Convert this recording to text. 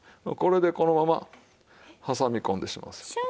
これでこのまま挟み込んでしまうんですよ。